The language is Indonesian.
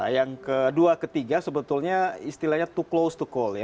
yang kedua ketiga sebetulnya istilahnya to close to call ya